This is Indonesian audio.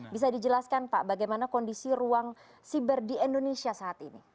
bisa dijelaskan pak bagaimana kondisi ruang siber di indonesia saat ini